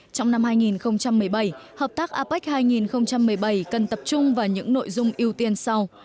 trong năm hai nghìn một mươi bảy hợp tác apec hai nghìn một mươi bảy cần tập trung vào những nội dung ưu tiên sau